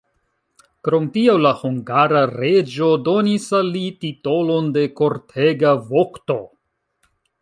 Krom tio la hungara reĝo donis al li titolon de kortega vokto.